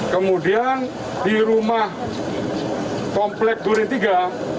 kemudian di rumah komplek duritiga